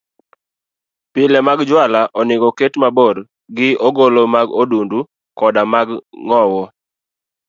Pile mag juala onego oket mabor gi ogolo mag odundu koda mag ng'owo.